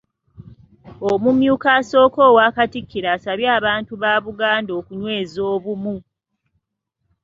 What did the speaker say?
Omumyuka asooka owa Katikkiro asabye abantu ba Buganda okunyweza obumu.